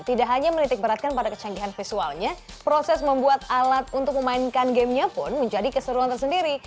tidak hanya menitik beratkan pada kecanggihan visualnya proses membuat alat untuk memainkan gamenya pun menjadi keseruan tersendiri